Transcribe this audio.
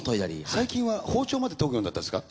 最近は包丁まで研ぐようになったんですか？